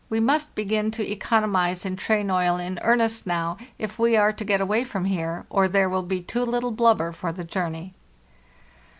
We must begin to economize in train oil in earnest now if we are to get away from here, or there will be too little blubber for the journey.